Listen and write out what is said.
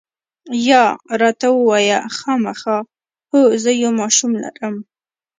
یا، راته ووایه، خامخا؟ هو، زه یو ماشوم لرم.